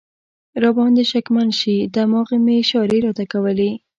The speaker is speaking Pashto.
را باندې شکمن شي، دماغ مې اشارې راته کولې.